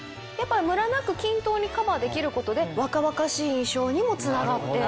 ムラなく均等にカバーできることで若々しい印象にもつながって。